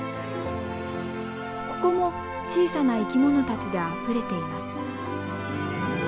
ここも小さな生き物たちであふれています。